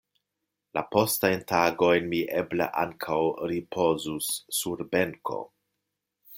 La postajn tagojn mi eble ankaŭ ripozus sur benko.